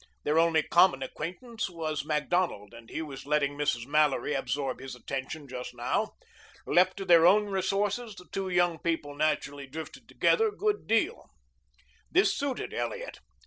Their only common acquaintance was Macdonald and he was letting Mrs. Mallory absorb his attention just now. Left to their own resources the two young people naturally drifted together a good deal. This suited Elliot.